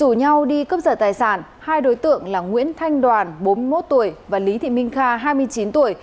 rủ nhau đi cướp giật tài sản hai đối tượng là nguyễn thanh đoàn bốn mươi một tuổi và lý thị minh kha hai mươi chín tuổi